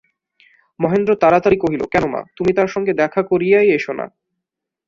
মহেন্দ্র তাড়াতাড়ি কহিল, কেন মা, তুমি তাঁর সঙ্গে দেখা করিয়াই এসো-না।